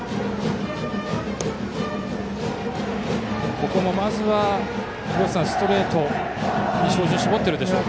ここもまずはストレートに照準を絞っているでしょうか。